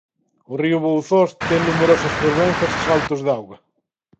O río Bouzós ten numerosas fervenzas e saltos de auga.